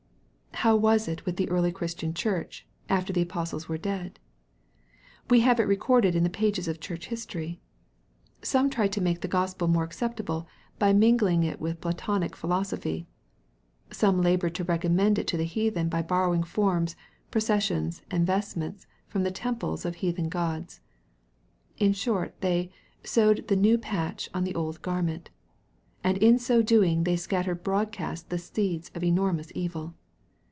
How was it with the early Christian Church, after the apostles were dead ? We have it recorded in the pages of Church history. Some tried to make the Gospel more acceptable by mingling it with Platonic philosophy. Some labored to recommend it to the heathen by bor rowing forms, processions, and vestments from the tem ples of heathen gods. In short, they " sewed the new patch on the old garment." And in so doing they scattered broadcast the seeds of enormous evil.